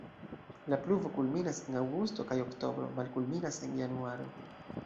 La pluvo kulminas en aŭgusto kaj oktobro, malkulminas en januaro.